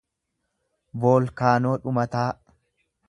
voolkaanoo dhumataa